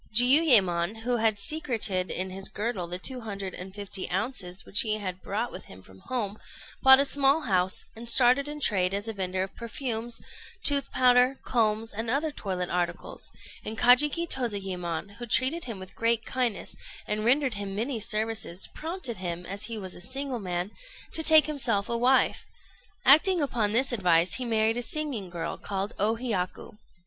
Jiuyémon, who had secreted in his girdle the two hundred and fifty ounces which he had brought with him from home, bought a small house, and started in trade as a vendor of perfumes, tooth powder, combs, and other toilet articles; and Kajiki Tozayémon, who treated him with great kindness, and rendered him many services, prompted him, as he was a single man, to take to himself a wife. Acting upon this advice, he married a singing girl, called O Hiyaku.